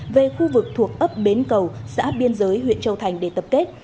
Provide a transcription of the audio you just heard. về khu vực thuộc ấp bến cầu xã biên giới huyện châu thành để tập kết